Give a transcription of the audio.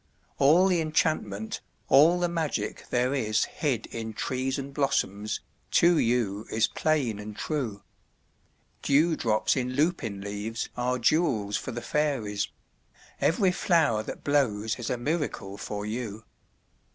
All the enchantment, all the magic there is Hid in trees and blossoms, to you is plain and true. Dewdrops in lupin leaves are jewels for the fairies; Every flower that blows is a miracle for you.